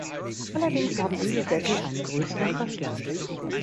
Allerdings haben diese Sättel einen größeren Verschleiß.